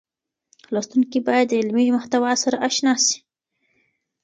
لوستونکي بايد د علمي محتوا سره اشنا شي.